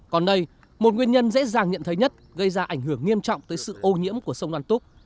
còn đây một nguyên nhân dễ dàng nhận thấy nhất gây ra ảnh hưởng nghiêm trọng tới sự ô nhiễm của sông đoan túc